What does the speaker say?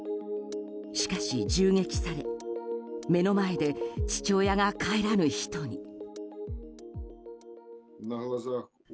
しかし、銃撃され目の前で父親が帰らぬ人に。